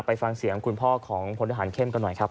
ไปฟังเสียงคุณพ่อของพลทหารเข้มกันหน่อยครับ